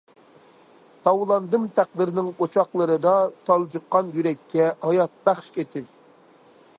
تاۋلاندىم تەقدىرنىڭ ئوچاقلىرىدا، تالجىققان يۈرەككە ھاياتبەخش ئېتىپ.